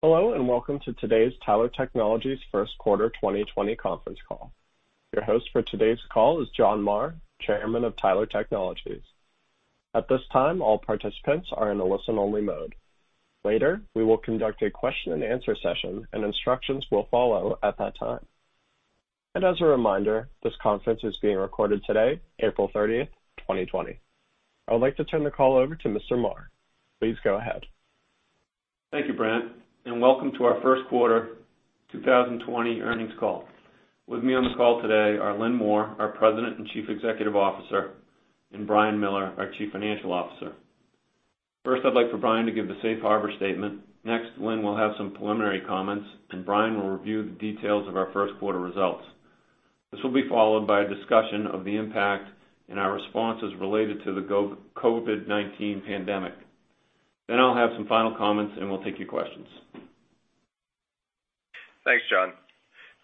Hello, welcome to today's Tyler Technologies first quarter 2020 conference call. Your host for today's call is John Marr, Chairman of Tyler Technologies. At this time, all participants are in a listen-only mode. Later, we will conduct a question-and-answer session, and instructions will follow at that time. As a reminder, this conference is being recorded today, April 30th, 2020. I would like to turn the call over to Mr. Marr. Please go ahead. Thank you, Brent, and welcome to our first quarter 2020 earnings call. With me on the call today are Lynn Moore, our President and Chief Executive Officer, and Brian Miller, our Chief Financial Officer. First, I'd like for Brian to give the safe harbor statement. Next, Lynn will have some preliminary comments, and Brian will review the details of our first quarter results. This will be followed by a discussion of the impact and our responses related to the COVID-19 pandemic. I'll have some final comments, and we'll take your questions. Thanks, John.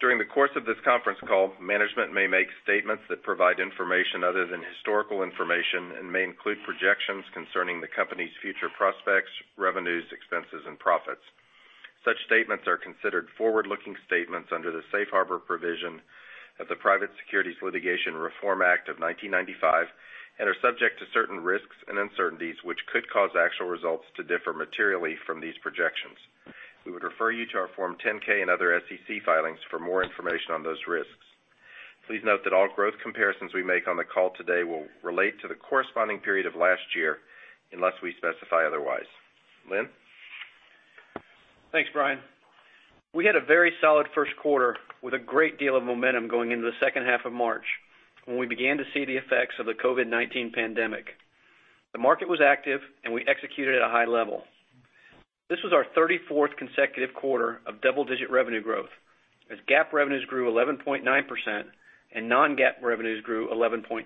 During the course of this conference call, management may make statements that provide information other than historical information and may include projections concerning the company's future prospects, revenues, expenses, and profits. Such statements are considered forward-looking statements under the safe harbor provision of the Private Securities Litigation Reform Act of 1995 and are subject to certain risks and uncertainties, which could cause actual results to differ materially from these projections. We would refer you to our Form 10-K and other SEC filings for more information on those risks. Please note that all growth comparisons we make on the call today will relate to the corresponding period of last year unless we specify otherwise. Lynn? Thanks, Brian. We had a very solid first quarter with a great deal of momentum going into the second half of March, when we began to see the effects of the COVID-19 pandemic. The market was active, and we executed at a high level. This was our 34th consecutive quarter of double-digit revenue growth, as GAAP revenues grew 11.9% and non-GAAP revenues grew 11.3%.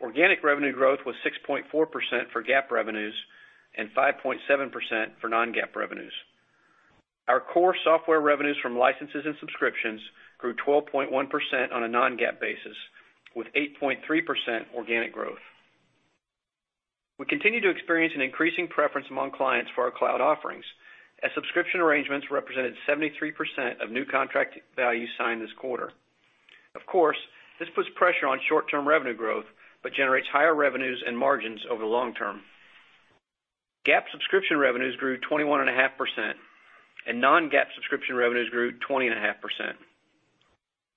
Organic revenue growth was 6.4% for GAAP revenues and 5.7% for non-GAAP revenues. Our core software revenues from licenses and subscriptions grew 12.1% on a non-GAAP basis, with 8.3% organic growth. We continue to experience an increasing preference among clients for our cloud offerings, as subscription arrangements represented 73% of new contract value signed this quarter. Of course, this puts pressure on short-term revenue growth but generates higher revenues and margins over the long term. GAAP subscription revenues grew 21.5%, and non-GAAP subscription revenues grew 20.5%.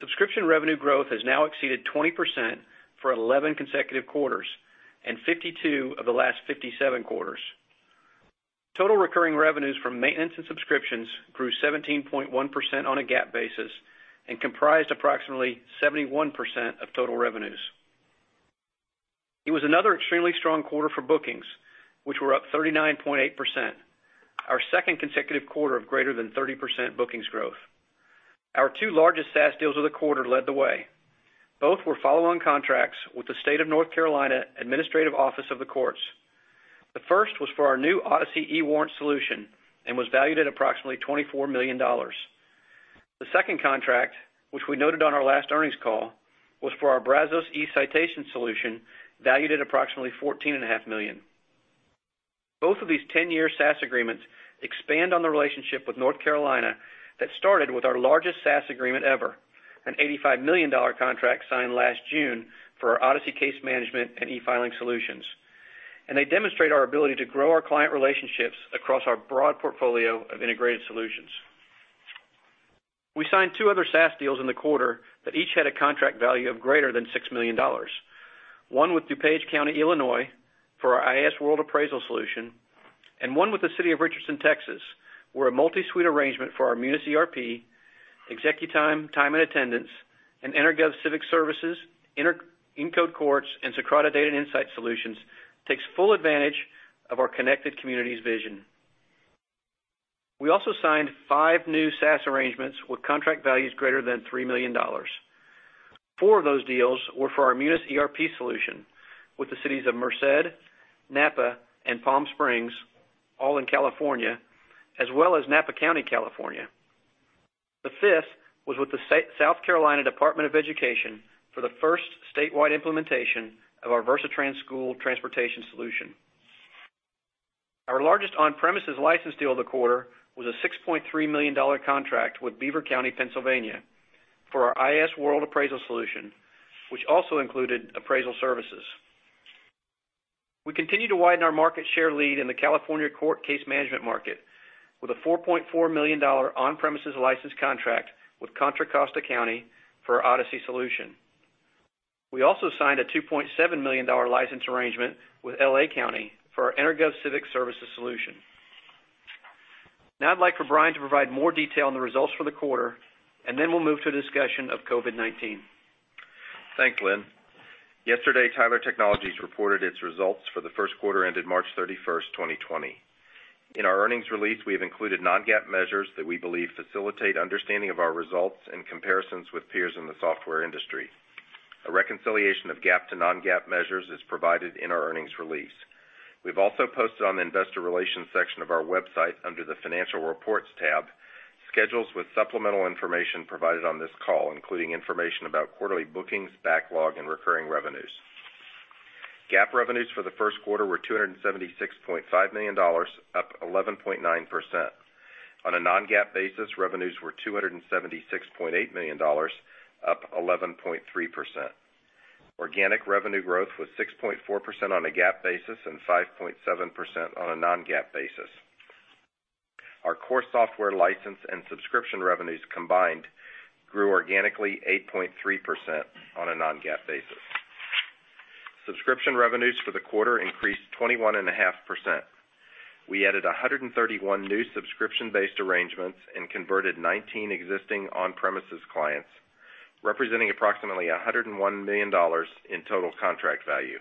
Subscription revenue growth has now exceeded 20% for 11 consecutive quarters and 52 of the last 57 quarters. Total recurring revenues from maintenance and subscriptions grew 17.1% on a GAAP basis and comprised approximately 71% of total revenues. It was another extremely strong quarter for bookings, which were up 39.8%, our second consecutive quarter of greater than 30% bookings growth. Our two largest SaaS deals of the quarter led the way. Both were follow-on contracts with the State of North Carolina Administrative Office of the Courts. The first was for our new Odyssey eWarrants solution and was valued at approximately $24 million. The second contract, which we noted on our last earnings call, was for our Brazos eCitation solution, valued at approximately $14.5 million. Both of these 10-year SaaS agreements expand on the relationship with North Carolina that started with our largest SaaS agreement ever, an $85 million contract signed last June for our Odyssey Case Manager and eFilings solutions, and they demonstrate our ability to grow our client relationships across our broad portfolio of integrated solutions. We signed two other SaaS deals in the quarter that each had a contract value of greater than $6 million. One with DuPage County, Illinois, for our iasWorld Appraisal Solution, and one with the City of Richardson, Texas, where a multi-suite arrangement for our Munis ERP, ExecuTime time and attendance, and EnerGov Civic Services, Incode Courts, and Socrata Data and Insight solutions takes full advantage of our connected communities vision. We also signed five new SaaS arrangements with contract values greater than $3 million. Four of those deals were for our Munis ERP solution with the cities of Merced, Napa, and Palm Springs, all in California, as well as Napa County, California. The fifth was with the South Carolina Department of Education for the first statewide implementation of our Versatrans school transportation solution. Our largest on-premises license deal of the quarter was a $6.3 million contract with Beaver County, Pennsylvania, for our iasWorld Appraisal Solution, which also included appraisal services. We continue to widen our market share lead in the California court case management market with a $4.4 million on-premises license contract with Contra Costa County for our Odyssey solution. We also signed a $2.7 million license arrangement with L.A. County for our EnerGov Civic Services solution. Now I'd like for Brian to provide more detail on the results for the quarter, and then we'll move to a discussion of COVID-19. Thanks, Lynn. Yesterday, Tyler Technologies reported its results for the first quarter ended March 31st, 2020. In our earnings release, we have included non-GAAP measures that we believe facilitate understanding of our results and comparisons with peers in the software industry. A reconciliation of GAAP to non-GAAP measures is provided in our earnings release. We've also posted on the investor relations section of our website, under the financial reports tab, schedules with supplemental information provided on this call, including information about quarterly bookings, backlog, and recurring revenues. GAAP revenues for the first quarter were $276.5 million, up 11.9%. On a non-GAAP basis, revenues were $276.8 million, up 11.3%. Organic revenue growth was 6.4% on a GAAP basis and 5.7% on a non-GAAP basis. Our core software license and subscription revenues combined grew organically 8.3% on a non-GAAP basis. Subscription revenues for the quarter increased 21.5%. We added 131 new subscription-based arrangements and converted 19 existing on-premises clients, representing approximately $101 million in total contract value.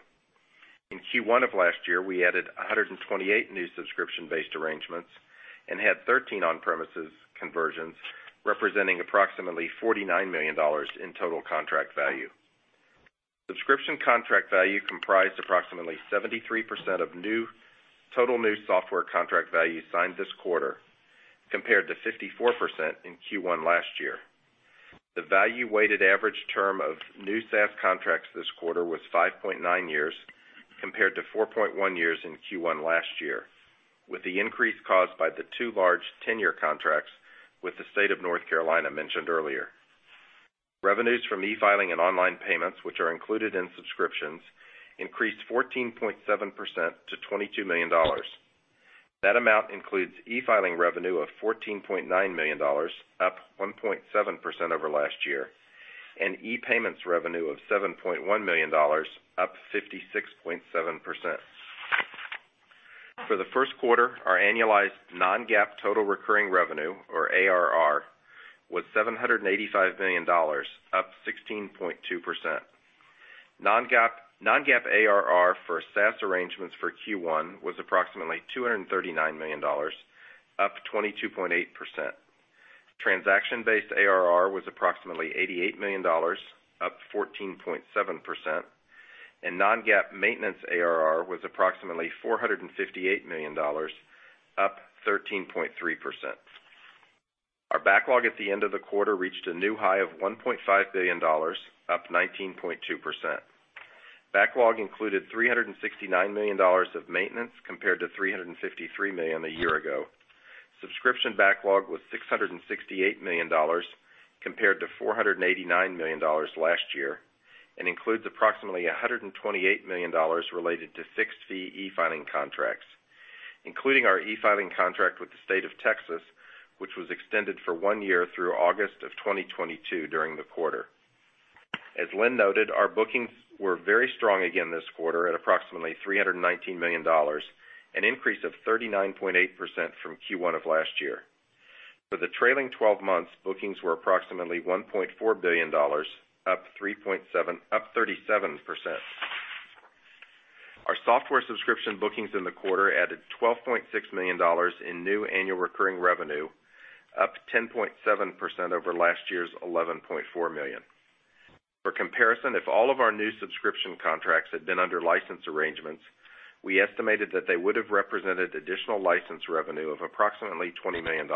In Q1 of last year, we added 128 new subscription-based arrangements and had 13 on-premises conversions, representing approximately $49 million in total contract value. Subscription contract value comprised approximately 73% of total new software contract value signed this quarter, compared to 54% in Q1 last year. The value-weighted average term of new SaaS contracts this quarter was 5.9 years, compared to 4.1 years in Q1 last year, with the increase caused by the two large 10-year contracts with the State of North Carolina mentioned earlier. Revenues from e-filing and online payments, which are included in subscriptions, increased 14.7% to $22 million. That amount includes e-filing revenue of $14.9 million, up 1.7% over last year, and e-payments revenue of $7.1 million, up 56.7%. For the first quarter, our annualized non-GAAP total recurring revenue, or ARR, was $785 million, up 16.2%. Non-GAAP ARR for SaaS arrangements for Q1 was approximately $239 million, up 22.8%. Transaction-based ARR was approximately $88 million, up 14.7%, and non-GAAP maintenance ARR was approximately $458 million, up 13.3%. Our backlog at the end of the quarter reached a new high of $1.5 billion, up 19.2%. Backlog included $369 million of maintenance, compared to $353 million a year ago. Subscription backlog was $668 million, compared to $489 million last year, and includes approximately $128 million related to fixed-fee e-filing contracts, including our e-filing contract with the State of Texas, which was extended for one year through August of 2022 during the quarter. As Lynn noted, our bookings were very strong again this quarter at approximately $319 million, an increase of 39.8% from Q1 of last year. For the trailing 12 months, bookings were approximately $1.4 billion, up 37%. Our software subscription bookings in the quarter added $12.6 million in new annual recurring revenue, up 10.7% over last year's $11.4 million. For comparison, if all of our new subscription contracts had been under license arrangements, we estimated that they would have represented additional license revenue of approximately $20 million.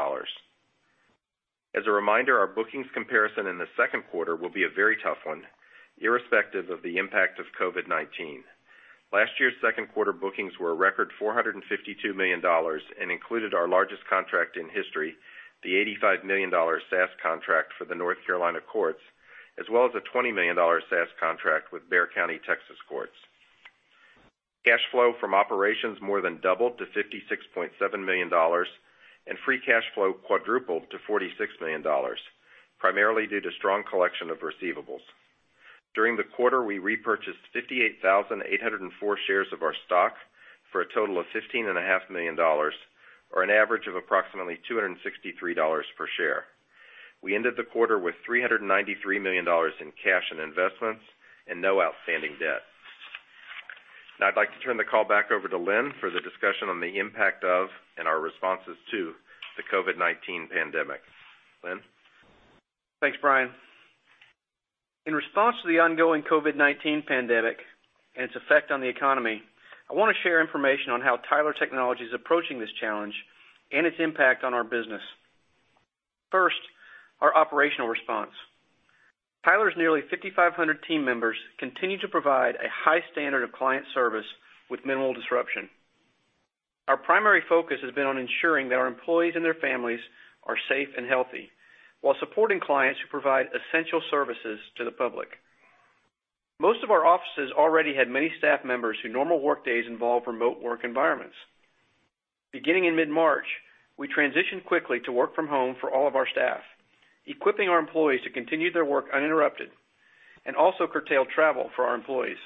As a reminder, our bookings comparison in the second quarter will be a very tough one, irrespective of the impact of COVID-19. Last year's second quarter bookings were a record $452 million and included our largest contract in history, the $85 million SaaS contract for the North Carolina courts, as well as a $20 million SaaS contract with Bexar County, Texas courts. Cash flow from operations more than doubled to $56.7 million, and free cash flow quadrupled to $46 million, primarily due to strong collection of receivables. During the quarter, we repurchased 58,804 shares of our stock for a total of $15.5 million, or an average of approximately $263 per share. We ended the quarter with $393 million in cash and investments and no outstanding debt. Now I'd like to turn the call back over to Lynn for the discussion on the impact of and our responses to the COVID-19 pandemic. Lynn? Thanks, Brian. In response to the ongoing COVID-19 pandemic and its effect on the economy, I want to share information on how Tyler Technologies is approaching this challenge and its impact on our business. First, our operational response. Tyler's nearly 5,500 team members continue to provide a high standard of client service with minimal disruption. Our primary focus has been on ensuring that our employees and their families are safe and healthy, while supporting clients who provide essential services to the public. Most of our offices already had many staff members whose normal workdays involve remote work environments. Beginning in mid-March, we transitioned quickly to work from home for all of our staff, equipping our employees to continue their work uninterrupted, and also curtailed travel for our employees.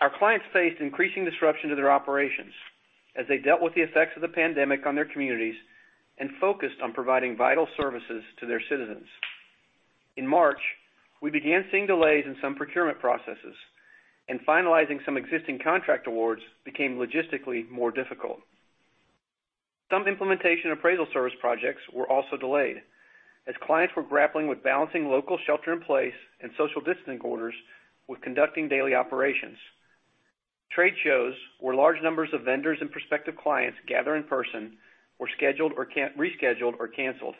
Our clients faced increasing disruption to their operations as they dealt with the effects of the pandemic on their communities and focused on providing vital services to their citizens. In March, we began seeing delays in some procurement processes, and finalizing some existing contract awards became logistically more difficult. Some implementation appraisal service projects were also delayed as clients were grappling with balancing local shelter-in-place and social distancing orders with conducting daily operations. Trade shows where large numbers of vendors and prospective clients gather in person were scheduled or rescheduled or canceled.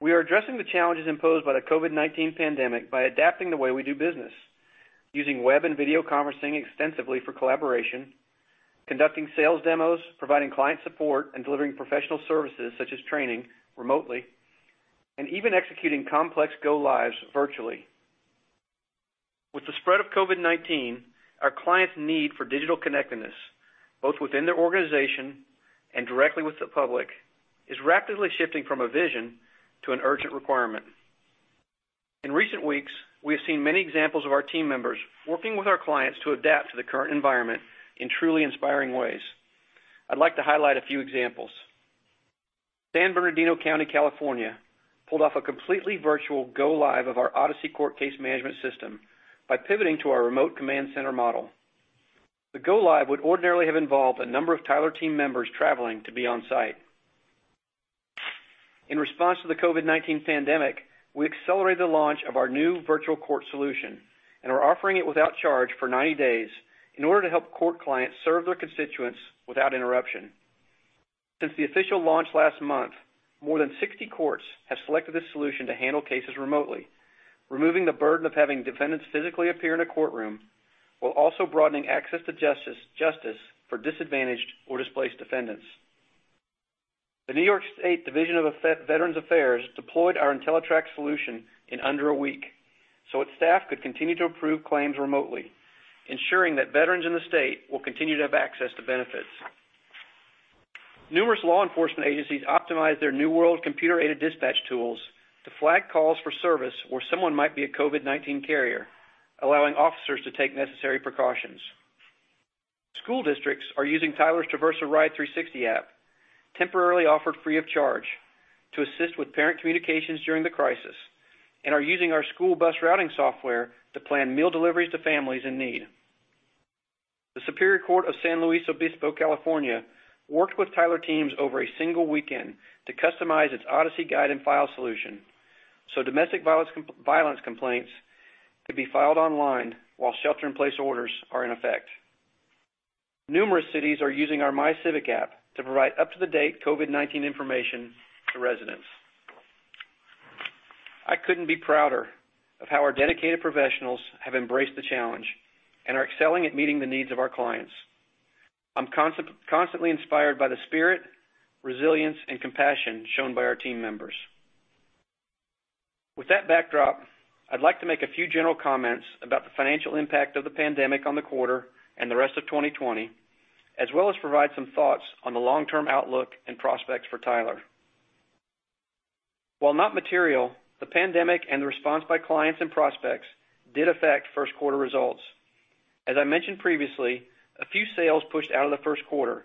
We are addressing the challenges imposed by the COVID-19 pandemic by adapting the way we do business, using web and video conferencing extensively for collaboration, conducting sales demos, providing client support, and delivering professional services, such as training remotely, and even executing complex go lives virtually. With the spread of COVID-19, our clients' need for digital connectedness, both within their organization and directly with the public, is rapidly shifting from a vision to an urgent requirement. In recent weeks, we have seen many examples of our team members working with our clients to adapt to the current environment in truly inspiring ways. I'd like to highlight a few examples. San Bernardino County, California pulled off a completely virtual go live of our Odyssey Court case management system by pivoting to our remote command center model. The go live would ordinarily have involved a number of Tyler team members traveling to be on site. In response to the COVID-19 pandemic, we accelerated the launch of our new virtual court solution and are offering it without charge for 90 days in order to help court clients serve their constituents without interruption. Since the official launch last month, more than 60 courts have selected this solution to handle cases remotely, removing the burden of having defendants physically appear in a courtroom, while also broadening access to justice for disadvantaged or displaced defendants. The New York State Division of Veterans' Services deployed our Entellitrak solution in under a week, so its staff could continue to approve claims remotely, ensuring that veterans in the state will continue to have access to benefits. Numerous law enforcement agencies optimize their New World computer-aided dispatch tools to flag calls for service where someone might be a COVID-19 carrier, allowing officers to take necessary precautions. School districts are using Tyler's Traversa Ride 360 app, temporarily offered free of charge, to assist with parent communications during the crisis, and are using our school bus routing software to plan meal deliveries to families in need. The Superior Court of San Luis Obispo, California, worked with Tyler teams over a single weekend to customize its Odyssey Guide & File solution, so domestic violence complaints could be filed online while shelter-in-place orders are in effect. Numerous cities are using our MyCivic app to provide up-to-the-date COVID-19 information to residents. I couldn't be prouder of how our dedicated professionals have embraced the challenge and are excelling at meeting the needs of our clients. I'm constantly inspired by the spirit, resilience, and compassion shown by our team members. With that backdrop, I'd like to make a few general comments about the financial impact of the pandemic on the quarter and the rest of 2020, as well as provide some thoughts on the long-term outlook and prospects for Tyler. While not material, the pandemic and the response by clients and prospects did affect first quarter results. As I mentioned previously, a few sales pushed out of the first quarter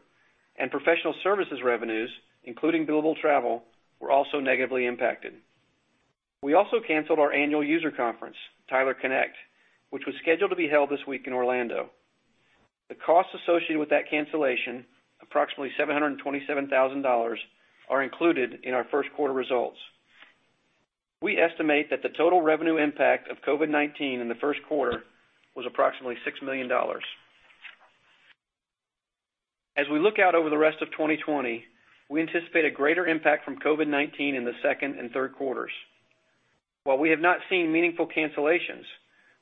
and professional services revenues, including billable travel, were also negatively impacted. We also canceled our annual user conference, Tyler Connect, which was scheduled to be held this week in Orlando. The cost associated with that cancellation, approximately $727,000, are included in our first quarter results. We estimate that the total revenue impact of COVID-19 in the first quarter was approximately $6 million. As we look out over the rest of 2020, we anticipate a greater impact from COVID-19 in the second and third quarters. While we have not seen meaningful cancellations,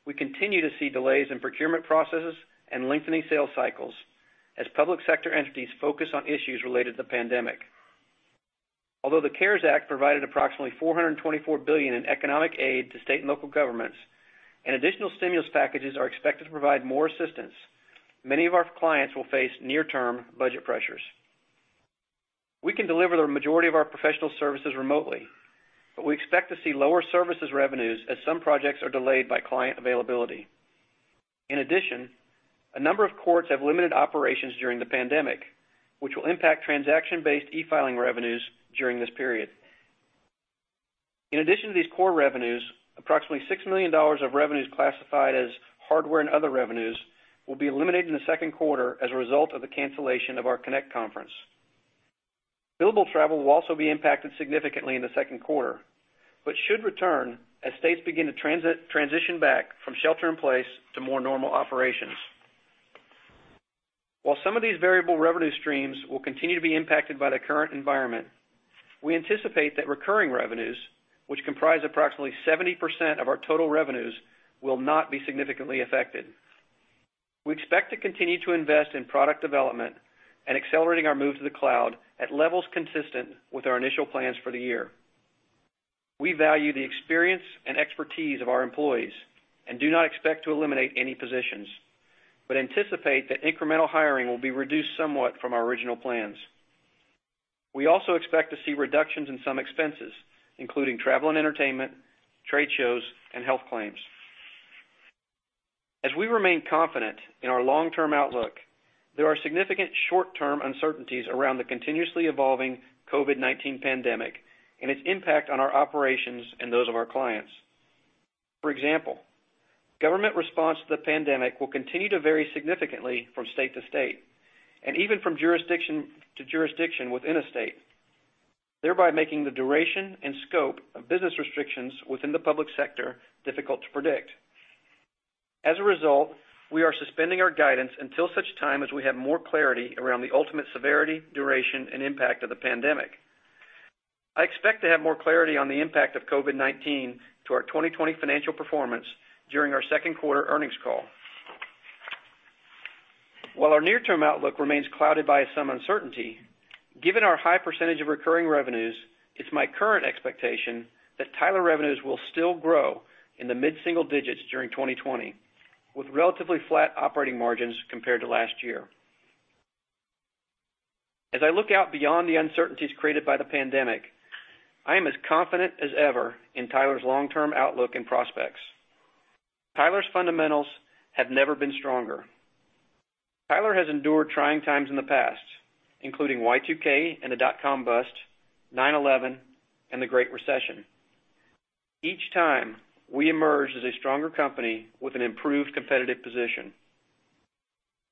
we continue to see delays in procurement processes and lengthening sales cycles as public sector entities focus on issues related to the pandemic. Although the CARES Act provided approximately $424 billion in economic aid to state and local governments, and additional stimulus packages are expected to provide more assistance, many of our clients will face near-term budget pressures. We can deliver the majority of our professional services remotely, but we expect to see lower services revenues as some projects are delayed by client availability. In addition, a number of courts have limited operations during the pandemic, which will impact transaction-based e-filing revenues during this period. In addition to these core revenues, approximately $6 million of revenues classified as hardware and other revenues will be eliminated in the second quarter as a result of the cancellation of our Connect conference. Billable travel will also be impacted significantly in the second quarter, but should return as states begin to transition back from shelter in place to more normal operations. While some of these variable revenue streams will continue to be impacted by the current environment, we anticipate that recurring revenues, which comprise approximately 70% of our total revenues, will not be significantly affected. We expect to continue to invest in product development and accelerating our move to the cloud at levels consistent with our initial plans for the year. We value the experience and expertise of our employees and do not expect to eliminate any positions, but anticipate that incremental hiring will be reduced somewhat from our original plans. We also expect to see reductions in some expenses, including travel and entertainment, trade shows, and health claims. As we remain confident in our long-term outlook, there are significant short-term uncertainties around the continuously evolving COVID-19 pandemic and its impact on our operations and those of our clients. For example, government response to the pandemic will continue to vary significantly from state to state, and even from jurisdiction to jurisdiction within a state, thereby making the duration and scope of business restrictions within the public sector difficult to predict. As a result, we are suspending our guidance until such time as we have more clarity around the ultimate severity, duration, and impact of the pandemic. I expect to have more clarity on the impact of COVID-19 to our 2020 financial performance during our second quarter earnings call. While our near-term outlook remains clouded by some uncertainty, given our high percentage of recurring revenues, it's my current expectation that Tyler revenues will still grow in the mid-single digits during 2020, with relatively flat operating margins compared to last year. As I look out beyond the uncertainties created by the pandemic, I am as confident as ever in Tyler's long-term outlook and prospects. Tyler's fundamentals have never been stronger. Tyler has endured trying times in the past, including Y2K and the dot-com bust, 9/11, and the Great Recession. Each time, we emerged as a stronger company with an improved competitive position.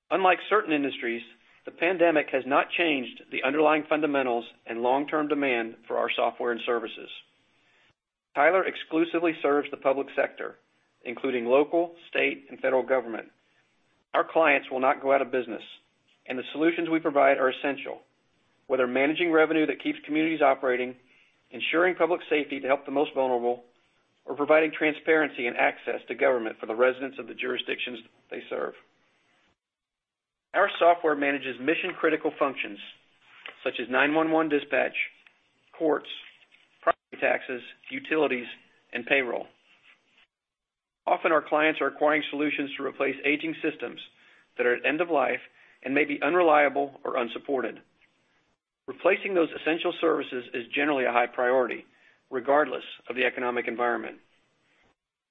Unlike certain industries, the pandemic has not changed the underlying fundamentals and long-term demand for our software and services. Tyler exclusively serves the public sector, including local, state, and federal government. Our clients will not go out of business, and the solutions we provide are essential, whether managing revenue that keeps communities operating, ensuring public safety to help the most vulnerable, or providing transparency and access to government for the residents of the jurisdictions they serve. Our software manages mission-critical functions, such as 911 dispatch, courts, property taxes, utilities, and payroll. Often, our clients are acquiring solutions to replace aging systems that are at end of life and may be unreliable or unsupported. Replacing those essential services is generally a high priority, regardless of the economic environment.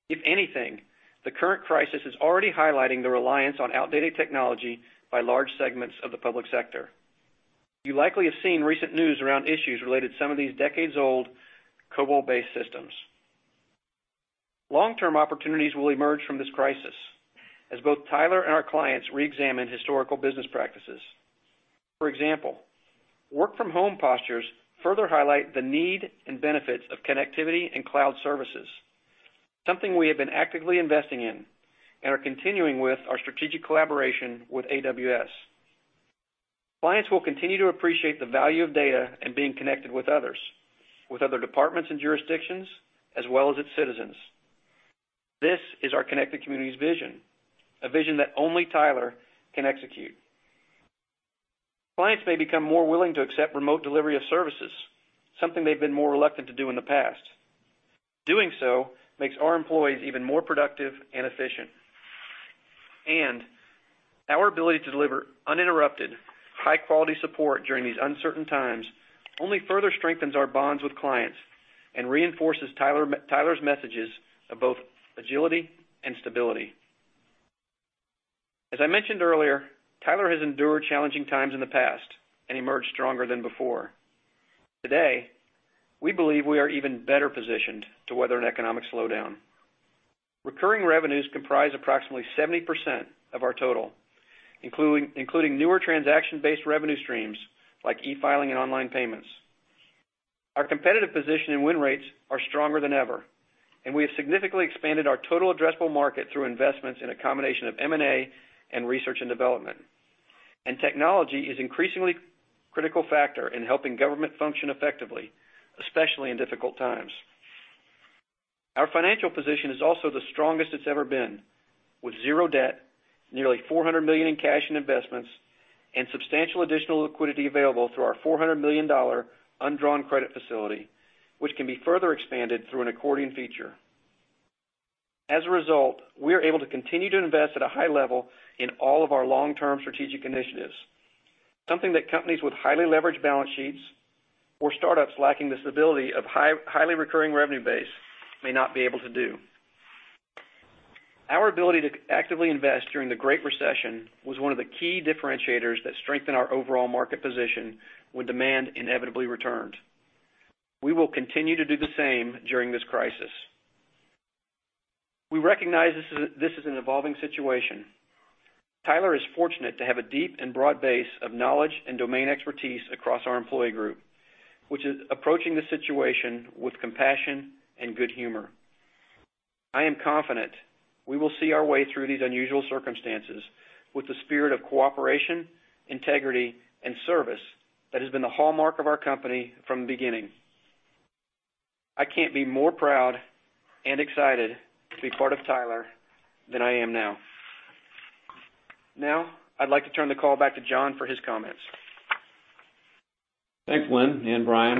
If anything, the current crisis is already highlighting the reliance on outdated technology by large segments of the public sector. You likely have seen recent news around issues related to some of these decades-old COBOL-based systems. Long-term opportunities will emerge from this crisis as both Tyler and our clients reexamine historical business practices. For example, work-from-home postures further highlight the need and benefits of connectivity and cloud services, something we have been actively investing in and are continuing with our strategic collaboration with AWS. Clients will continue to appreciate the value of data and being connected with others, with other departments and jurisdictions, as well as its citizens. This is our connected community's vision, a vision that only Tyler can execute. Clients may become more willing to accept remote delivery of services, something they've been more reluctant to do in the past. Doing so makes our employees even more productive and efficient. Our ability to deliver uninterrupted, high-quality support during these uncertain times only further strengthens our bonds with clients and reinforces Tyler's messages of both agility and stability. As I mentioned earlier, Tyler has endured challenging times in the past and emerged stronger than before. Today, we believe we are even better positioned to weather an economic slowdown. Recurring revenues comprise approximately 70% of our total, including newer transaction-based revenue streams like e-filing and online payments. Our competitive position and win rates are stronger than ever, and we have significantly expanded our total addressable market through investments in a combination of M&A and research and development. Technology is increasingly critical factor in helping government function effectively, especially in difficult times. Our financial position is also the strongest it's ever been with zero debt, nearly $400 million in cash and investments, and substantial additional liquidity available through our $400 million undrawn credit facility, which can be further expanded through an accordion feature. As a result, we are able to continue to invest at a high level in all of our long-term strategic initiatives. Something that companies with highly leveraged balance sheets or startups lacking the stability of highly recurring revenue base may not be able to do. Our ability to actively invest during the Great Recession was one of the key differentiators that strengthened our overall market position when demand inevitably returned. We will continue to do the same during this crisis. We recognize this is an evolving situation. Tyler is fortunate to have a deep and broad base of knowledge and domain expertise across our employee group, which is approaching the situation with compassion and good humor. I am confident we will see our way through these unusual circumstances with the spirit of cooperation, integrity, and service that has been the hallmark of our company from the beginning. I can't be more proud and excited to be part of Tyler than I am now. I'd like to turn the call back to John for his comments. Thanks, Lynn and Brian.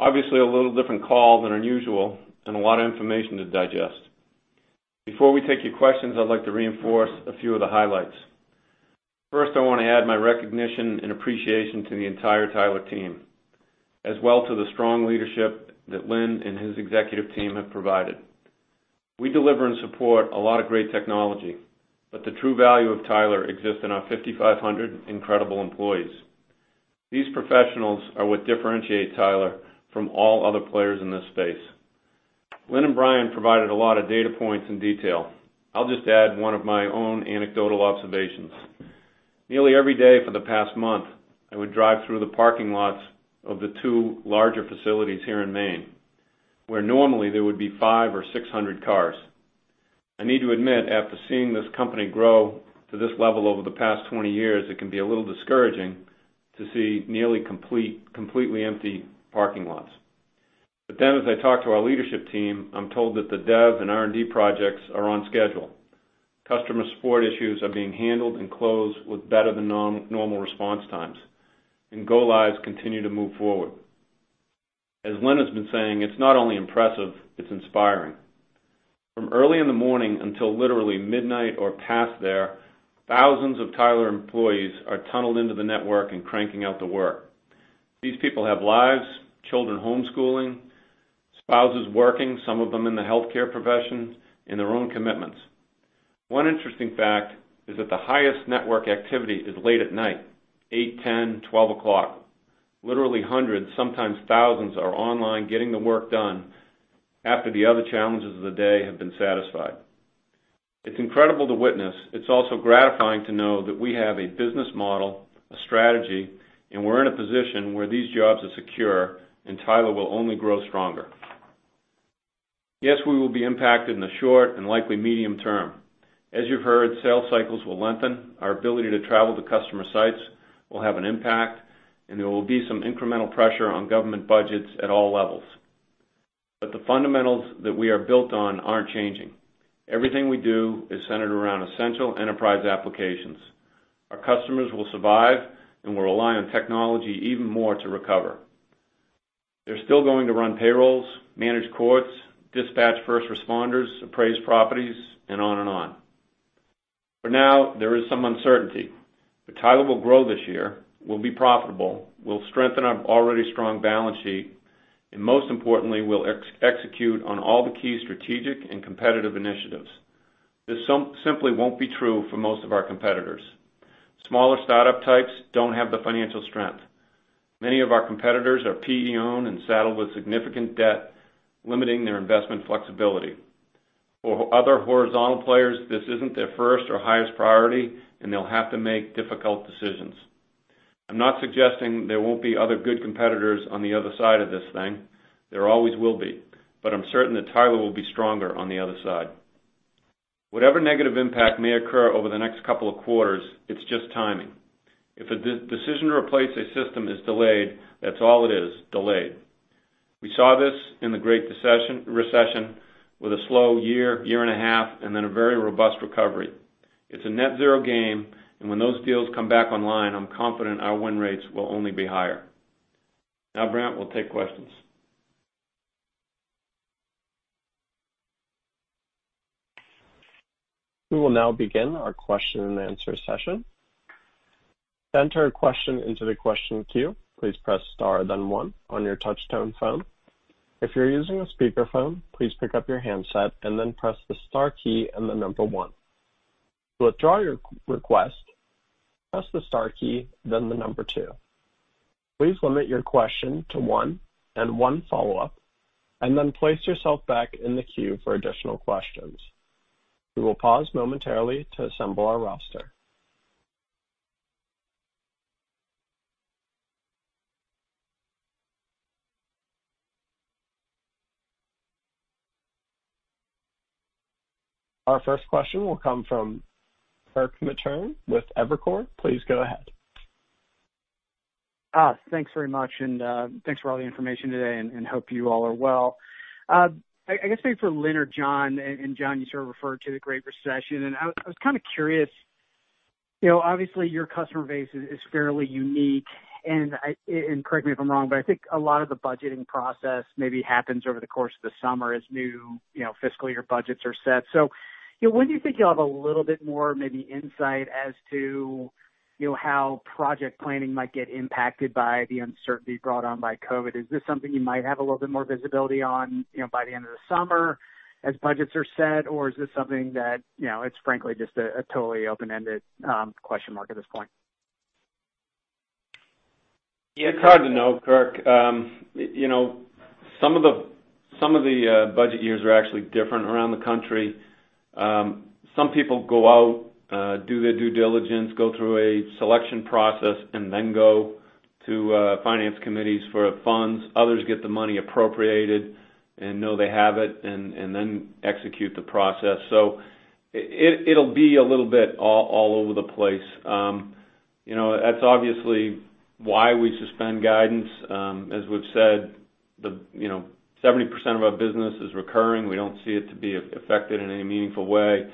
Obviously, a little different call than unusual and a lot of information to digest. Before we take your questions, I'd like to reinforce a few of the highlights. First, I want to add my recognition and appreciation to the entire Tyler team, as well to the strong leadership that Lynn and his executive team have provided. We deliver and support a lot of great technology, but the true value of Tyler exists in our 5,500 incredible employees. These professionals are what differentiate Tyler from all other players in this space. Lynn and Brian provided a lot of data points and detail. I'll just add one of my own anecdotal observations. Nearly every day for the past month, I would drive through the parking lots of the two larger facilities here in Maine, where normally there would be 500 or 600 cars. I need to admit, after seeing this company grow to this level over the past 20 years, it can be a little discouraging to see nearly completely empty parking lots. As I talk to our leadership team, I'm told that the dev and R&D projects are on schedule. Customer support issues are being handled and closed with better than normal response times, and go lives continue to move forward. As Lynn has been saying, it's not only impressive, it's inspiring. From early in the morning until literally midnight or past there, thousands of Tyler employees are tunneled into the network and cranking out the work. These people have lives, children homeschooling, spouses working, some of them in the healthcare profession, and their own commitments. One interesting fact is that the highest network activity is late at night, 8:00, 10:00, 12:00. Literally hundreds, sometimes thousands, are online getting the work done after the other challenges of the day have been satisfied. It's incredible to witness. It's also gratifying to know that we have a business model, a strategy, and we're in a position where these jobs are secure and Tyler will only grow stronger. Yes, we will be impacted in the short and likely medium term. As you've heard, sales cycles will lengthen, our ability to travel to customer sites will have an impact, and there will be some incremental pressure on government budgets at all levels. The fundamentals that we are built on aren't changing. Everything we do is centered around essential enterprise applications. Our customers will survive, and will rely on technology even more to recover. They're still going to run payrolls, manage courts, dispatch first responders, appraise properties, and on and on. For now, there is some uncertainty. Tyler will grow this year. We'll be profitable. We'll strengthen our already strong balance sheet, and most importantly, we'll execute on all the key strategic and competitive initiatives. This simply won't be true for most of our competitors. Smaller startup types don't have the financial strength. Many of our competitors are PE-owned and saddled with significant debt, limiting their investment flexibility. For other horizontal players, this isn't their first or highest priority, and they'll have to make difficult decisions. I'm not suggesting there won't be other good competitors on the other side of this thing. There always will be, but I'm certain that Tyler will be stronger on the other side. Whatever negative impact may occur over the next couple of quarters, it's just timing. If a decision to replace a system is delayed, that's all it is, delayed. We saw this in the Great Recession with a slow year and a half, and then a very robust recovery. It's a net zero game, and when those deals come back online, I'm confident our win rates will only be higher. Now, Brent, we'll take questions. We will now begin our question-and-answer session. To enter a question into the question queue, please press star then one on your touchtone phone. If you're using a speakerphone, please pick up your handset and then press the star key and the number one. To withdraw your request, press the star key, then the number two. Please limit your question to one and one follow-up, and then place yourself back in the queue for additional questions. We will pause momentarily to assemble our roster. Our first question will come from Kirk Materne with Evercore. Please go ahead. Thanks very much, thanks for all the information today, and hope you all are well. I guess maybe for Lynn or John, you sort of referred to the Great Recession, and I was kind of curious. Obviously, your customer base is fairly unique, and correct me if I'm wrong, but I think a lot of the budgeting process maybe happens over the course of the summer as new fiscal year budgets are set. When do you think you'll have a little bit more maybe insight as to how project planning might get impacted by the uncertainty brought on by COVID-19? Is this something you might have a little bit more visibility on, by the end of the summer as budgets are set? Is this something that it's frankly just a totally open-ended question mark at this point? It's hard to know, Kirk. Some of the budget years are actually different around the country. Some people go out, do their due diligence, go through a selection process, and then go to finance committees for funds. Others get the money appropriated and know they have it, and then execute the process. It'll be a little bit all over the place. That's obviously why we suspend guidance. As we've said, 70% of our business is recurring. We don't see it to be affected in any meaningful way.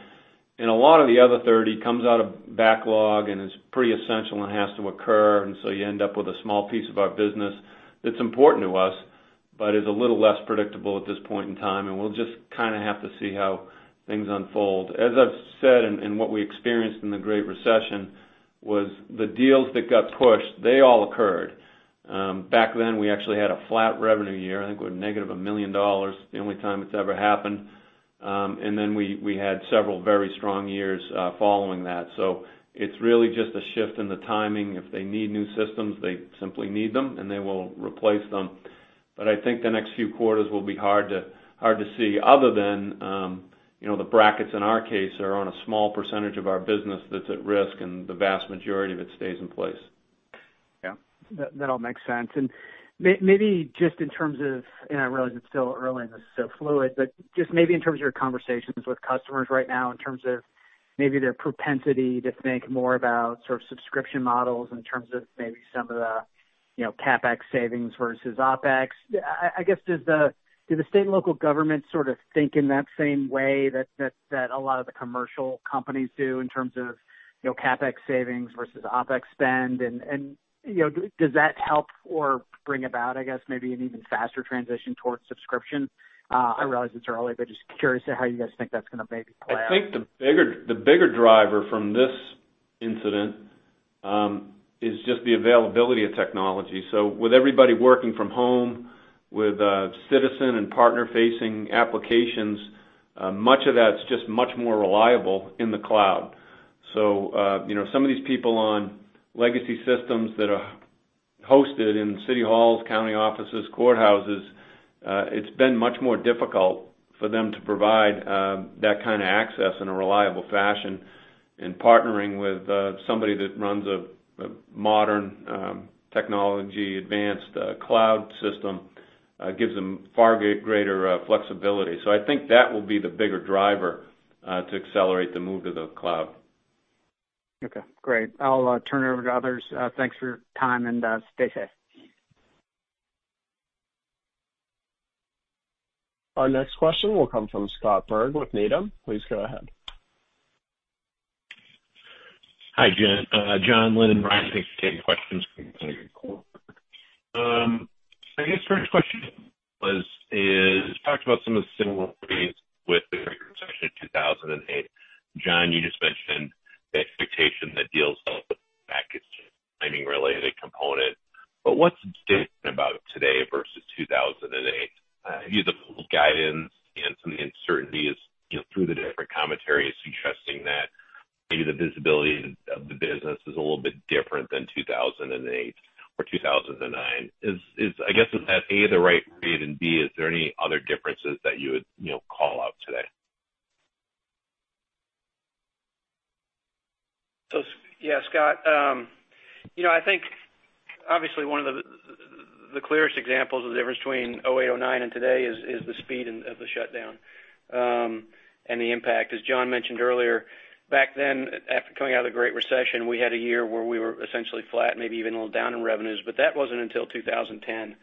A lot of the other 30 comes out of backlog and is pretty essential and has to occur, you end up with a small piece of our business that's important to us, but is a little less predictable at this point in time, and we'll just have to see how things unfold. As I've said, and what we experienced in the Great Recession, was the deals that got pushed, they all occurred. Back then, we actually had a flat revenue year. I think we're negative $1 million, the only time it's ever happened. Then we had several very strong years following that. It's really just a shift in the timing. If they need new systems, they simply need them, and they will replace them. I think the next few quarters will be hard to see, other than the pockets in our case are on a small percentage of our business that's at risk, and the vast majority of it stays in place. Yeah. That all makes sense. Maybe just in terms of, and I realize it's still early and this is still fluid, but just maybe in terms of your conversations with customers right now, in terms of maybe their propensity to think more about sort of subscription models in terms of maybe some of the CapEx savings versus OpEx. I guess, do the state and local government sort of think in that same way that a lot of the commercial companies do in terms of CapEx savings versus OpEx spend? Does that help or bring about, I guess, maybe an even faster transition towards subscription? I realize it's early, but just curious how you guys think that's going to maybe play out. I think the bigger driver from this incident, is just the availability of technology. With everybody working from home, with citizen and partner-facing applications, much of that's just much more reliable in the cloud. Some of these people on legacy systems that are hosted in city halls, county offices, courthouses, it's been much more difficult for them to provide that kind of access in a reliable fashion. Partnering with somebody that runs a modern technology advanced cloud system gives them far greater flexibility. I think that will be the bigger driver to accelerate the move to the cloud. Okay, great. I'll turn it over to others. Thanks for your time, and stay safe. Our next question will come from Scott Berg with Needham. Please go ahead. Hi, John, Lynn and Brian. Thanks for taking the questions. I guess first question is, You talked about some of the similarities with the Great Recession of 2008. John, you just mentioned the expectation that deals package timing related component. What's different about today versus 2008? Have you the guidance and some of the uncertainties through the different commentary suggesting that maybe the visibility of the business is a little bit different than 2008 or 2009? I guess, is that, A, the right read, and B, is there any other differences that you would call out today? Yeah, Scott. I think obviously one of the clearest examples of the difference between 2008, 2009 and today is the speed of the shutdown, and the impact. As John mentioned earlier, back then, after coming out of the Great Recession, we had a year where we were essentially flat, maybe even a little down in revenues, but that wasn't until 2010.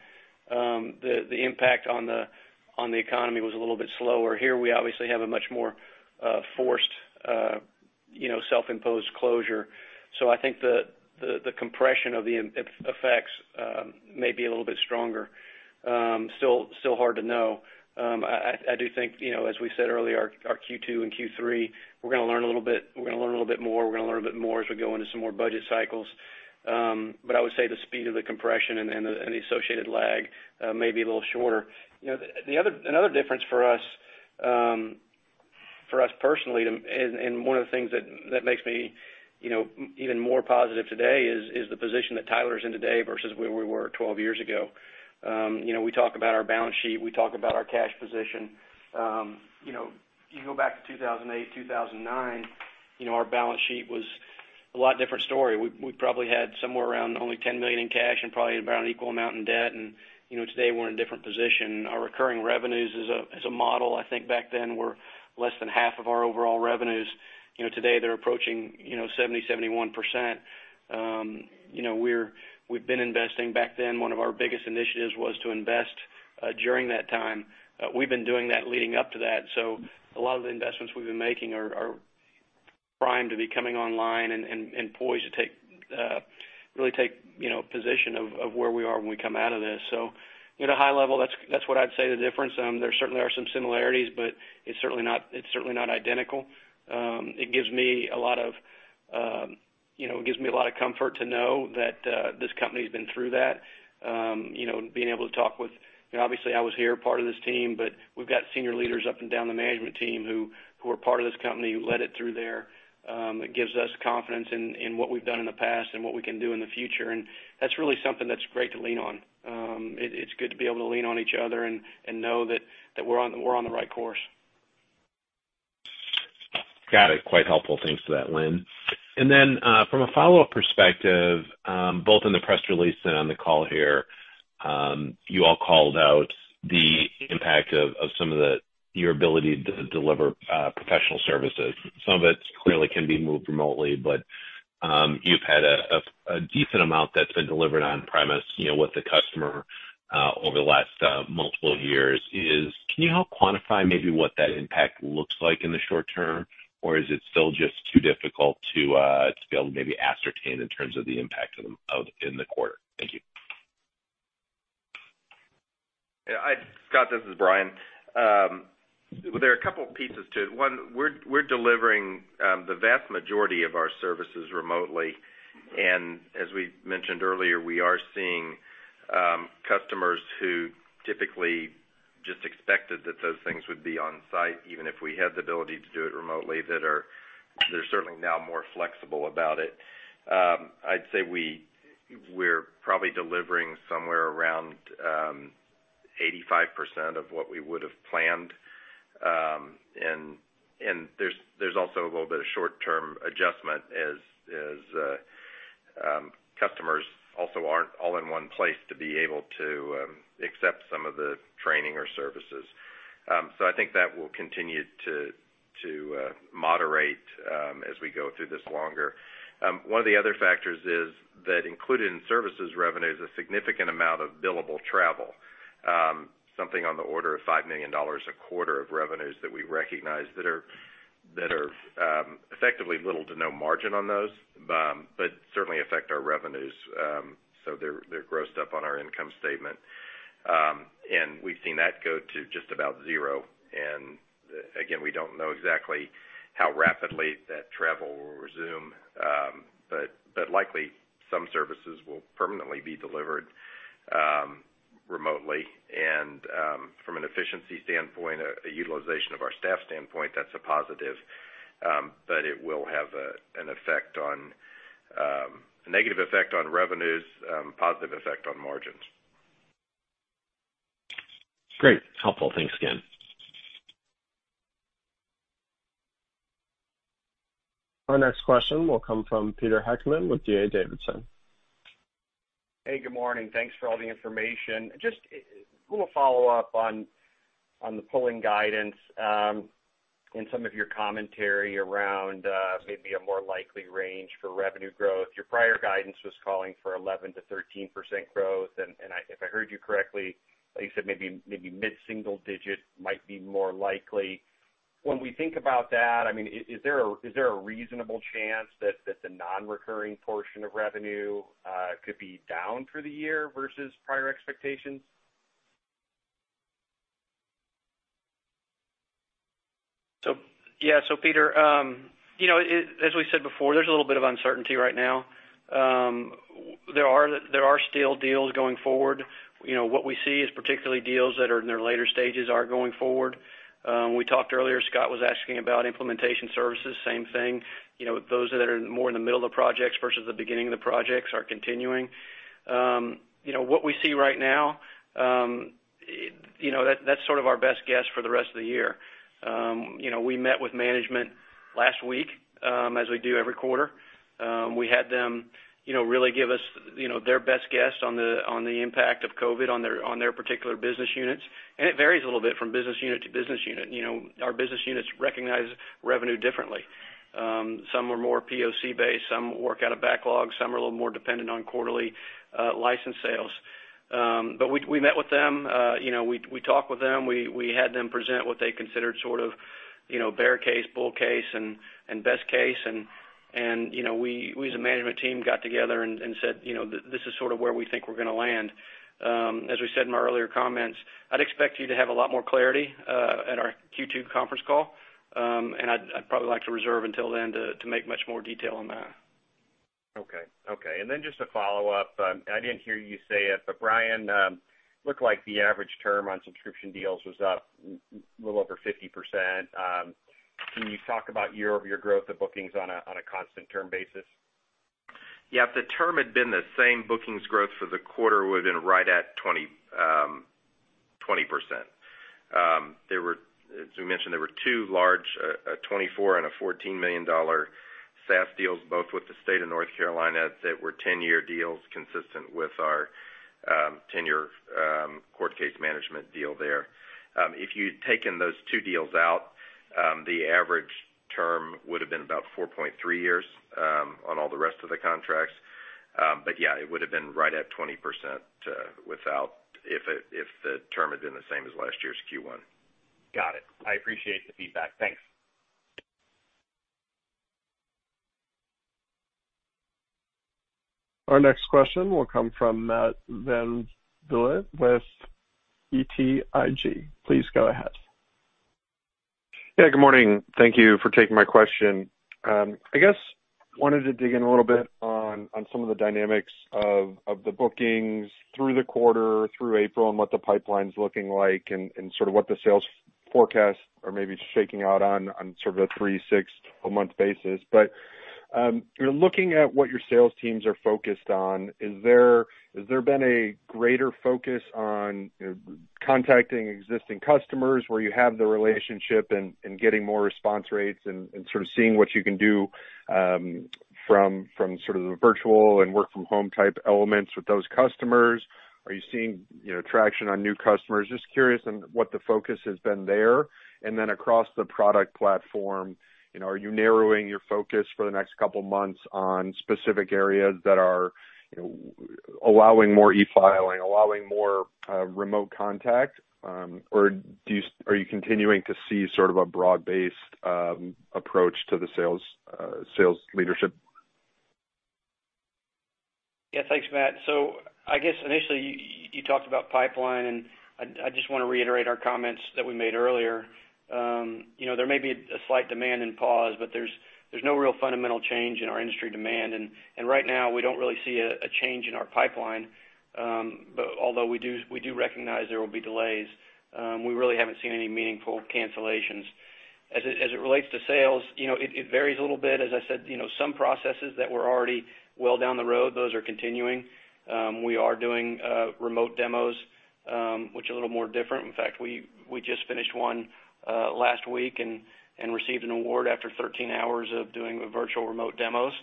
The impact on the economy was a little bit slower. Here, we obviously have a much more forced self-imposed closure. I think the compression of the effects may be a little bit stronger. Still hard to know. I do think as we said earlier, our Q2 and Q3, we're gonna learn a little bit more as we go into some more budget cycles. I would say the speed of the compression and the associated lag may be a little shorter. Another difference for us personally, and one of the things that makes me even more positive today, is the position that Tyler's in today versus where we were 12 years ago. We talk about our balance sheet, we talk about our cash position. You go back to 2008, 2009, our balance sheet was a lot different story. We probably had somewhere around only $10 million in cash and probably about an equal amount in debt. Today we're in a different position. Our recurring revenues as a model, I think back then were less than half of our overall revenues. Today, they're approaching 70%, 71%. We've been investing. Back then, one of our biggest initiatives was to invest during that time. We've been doing that leading up to that. A lot of the investments we've been making are primed to be coming online and poised to really take position of where we are when we come out of this. At a high level, that's what I'd say the difference. There certainly are some similarities, but it's certainly not identical. It gives me a lot of comfort to know that this company's been through that. Being able to talk with obviously I was here, part of this team, but we've got senior leaders up and down the management team who are part of this company, who led it through there. It gives us confidence in what we've done in the past and what we can do in the future, and that's really something that's great to lean on. It's good to be able to lean on each other and know that we're on the right course. Got it. Quite helpful. Thanks for that, Lynn. From a follow-up perspective, both in the press release and on the call here, you all called out the impact of some of your ability to deliver professional services. Some of it clearly can be moved remotely, but you've had a decent amount that's been delivered on premise with the customer over the last multiple years. Can you help quantify maybe what that impact looks like in the short term? Is it still just too difficult to be able to maybe ascertain in terms of the impact in the quarter? Thank you. Yeah, Scott, this is Brian. There are a couple pieces to it. One, we're delivering the vast majority of our services remotely, and as we mentioned earlier, we are seeing customers who typically just expected that those things would be on site, even if we had the ability to do it remotely. They're certainly now more flexible about it. I'd say we're probably delivering somewhere around 85% of what we would have planned. There's also a little bit of short-term adjustment as customers also aren't all in one place to be able to accept some of the training or services. I think that will continue to moderate as we go through this longer. One of the other factors is that included in services revenue is a significant amount of billable travel. Something on the order of $5 million a quarter of revenues that we recognize that are effectively little to no margin on those, but certainly affect our revenues. They're grossed up on our income statement. We've seen that go to just about zero, and again, we don't know exactly how rapidly that travel will resume. Likely, some services will permanently be delivered remotely, and from an efficiency standpoint, a utilization of our staff standpoint, that's a positive. It will have a negative effect on revenues, positive effect on margins. Great. Helpful. Thanks again. Our next question will come from Peter Heckmann with D.A. Davidson. Hey, good morning. Thanks for all the information. A little follow-up on the pulling guidance in some of your commentary around maybe a more likely range for revenue growth. Your prior guidance was calling for 11%-13% growth, if I heard you correctly, you said maybe mid-single digit might be more likely. When we think about that, is there a reasonable chance that the non-recurring portion of revenue could be down for the year versus prior expectations? Yeah. Peter, as we said before, there's a little bit of uncertainty right now. There are still deals going forward. What we see is particularly deals that are in their later stages are going forward. We talked earlier, Scott was asking about implementation services, same thing. Those that are more in the middle of the projects versus the beginning of the projects are continuing. What we see right now, that's sort of our best guess for the rest of the year. We met with management last week, as we do every quarter. We had them really give us their best guess on the impact of COVID on their particular business units, and it varies a little bit from business unit to business unit. Our business units recognize revenue differently. Some are more POC based, some work out of backlog, some are a little more dependent on quarterly license sales. We met with them, we talked with them. We had them present what they considered sort of bear case, bull case, and best case, and we as a management team got together and said, "This is sort of where we think we're going to land." As we said in my earlier comments, I'd expect you to have a lot more clarity at our Q2 conference call. I'd probably like to reserve until then to make much more detail on that. Okay. Just a follow-up. I didn't hear you say it, but Brian, looked like the average term on subscription deals was up a little over 50%. Can you talk about year-over-year growth of bookings on a constant term basis? If the term had been the same bookings growth for the quarter would've been right at 20%. As we mentioned, there were two large, a $24 and a $14 million SaaS deals, both with the state of North Carolina, that were 10-year deals consistent with our tenure court case management deal there. If you'd taken those two deals out, the average term would've been about 4.3 years on all the rest of the contracts. It would've been right at 20% if the term had been the same as last year's Q1. Got it. I appreciate the feedback. Thanks. Our next question will come from Matt VanVliet with BTIG. Please go ahead. Yeah, good morning. Thank you for taking my question. I guess, wanted to dig in a little bit on some of the dynamics of the bookings through the quarter, through April, and what the pipeline's looking like and sort of what the sales forecasts are maybe shaking out on sort of a three, six, 12-month basis. Looking at what your sales teams are focused on, has there been a greater focus on contacting existing customers where you have the relationship and getting more response rates and sort of seeing what you can do from sort of the virtual and work from home type elements with those customers? Are you seeing traction on new customers? Just curious on what the focus has been there. Across the product platform, are you narrowing your focus for the next couple of months on specific areas that are allowing more e-filing, allowing more remote contact? Are you continuing to see sort of a broad-based approach to the sales leadership? Yeah. Thanks, Matt. I guess initially, you talked about pipeline, and I just want to reiterate our comments that we made earlier. There may be a slight demand and pause, but there's no real fundamental change in our industry demand. Right now, we don't really see a change in our pipeline. Although we do recognize there will be delays. We really haven't seen any meaningful cancellations. As it relates to sales, it varies a little bit. As I said, some processes that were already well down the road, those are continuing. We are doing remote demos, which are a little more different. In fact, we just finished one last week and received an award after 13 hours of doing virtual remote demos,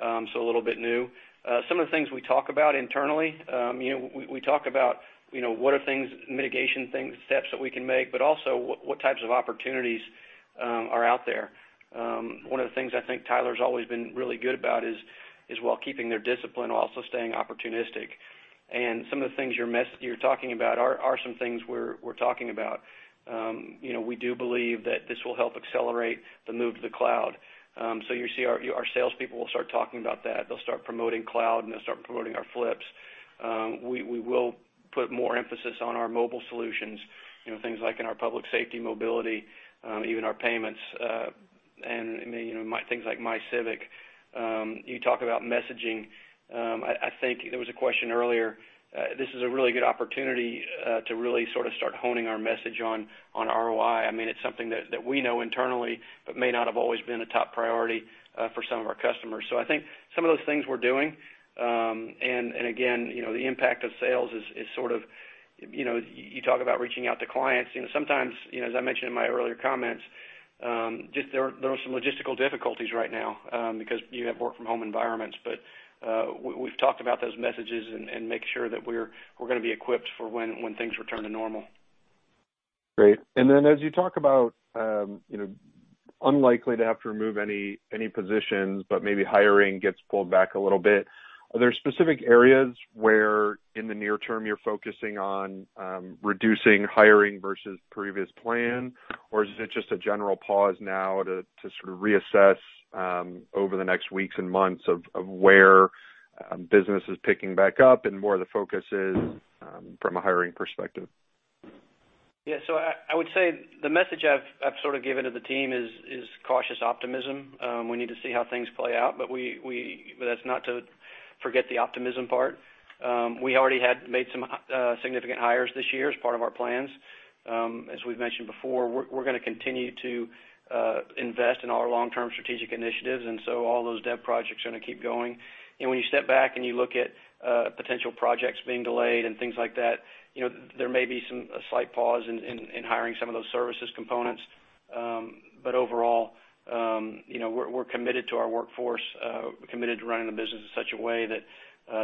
so a little bit new. Some of the things we talk about internally, we talk about what are mitigation steps that we can make, but also what types of opportunities are out there. One of the things I think Tyler's always been really good about is while keeping their discipline, also staying opportunistic. Some of the things you're talking about are some things we're talking about. We do believe that this will help accelerate the move to the cloud. You see our salespeople will start talking about that. They'll start promoting cloud, and they'll start promoting our flips. We will put more emphasis on our mobile solutions, things like in our public safety mobility, even our payments, and things like MyCivic. You talk about messaging. I think there was a question earlier. This is a really good opportunity to really start honing our message on ROI. It's something that we know internally, but may not have always been a top priority for some of our customers. I think some of those things we're doing, and again, the impact of sales is, you talk about reaching out to clients. Sometimes, as I mentioned in my earlier comments, there are some logistical difficulties right now because you have work from home environments. We've talked about those messages and make sure that we're going to be equipped for when things return to normal. Great. As you talk about unlikely to have to remove any positions, but maybe hiring gets pulled back a little bit, are there specific areas where in the near term you're focusing on reducing hiring versus previous plan, or is it just a general pause now to reassess over the next weeks and months of where business is picking back up and where the focus is from a hiring perspective? I would say the message I've given to the team is cautious optimism. We need to see how things play out, but that's not to forget the optimism part. We already had made some significant hires this year as part of our plans. As we've mentioned before, we're going to continue to invest in our long-term strategic initiatives. All those dev projects are going to keep going. When you step back and you look at potential projects being delayed and things like that, there may be a slight pause in hiring some of those services components. Overall, we're committed to our workforce, committed to running the business in such a way that